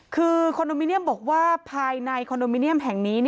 คือคอนโดมิเนียมบอกว่าภายในคอนโดมิเนียมแห่งนี้